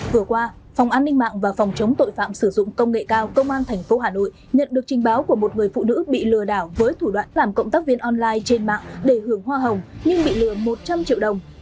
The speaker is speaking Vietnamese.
vừa qua phòng an ninh mạng và phòng chống tội phạm sử dụng công nghệ cao công an tp hà nội nhận được trình báo của một người phụ nữ bị lừa đảo với thủ đoạn làm cộng tác viên online trên mạng để hưởng hoa hồng nhưng bị lừa một trăm linh triệu đồng